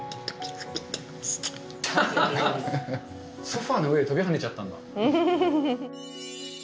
ソファの上で飛び跳ねちゃったんだ。